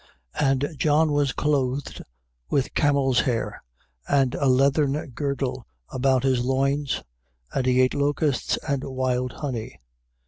1:6. And John was clothed camel's hair, and a leathern girdle about his loins: and he ate locusts and wild honey.